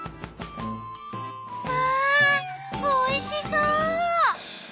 わぁおいしそう。